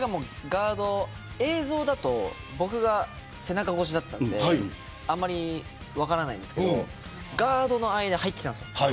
映像だと僕が背中越しだったのであまり分からないんですけどガードの間に入ってきたんです。